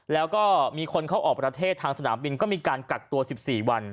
แล้วก็มีคนเข้าออกประเทศทางสนามบินก็มีการกักตัว๑๔วัน